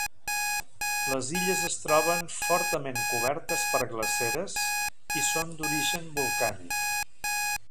Les illes es troben fortament cobertes per glaceres i són d'origen volcànic.